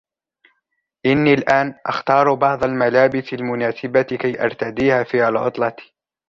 إني الآن أختار بعض الملابس المناسبة كي أرتديها في العطلة.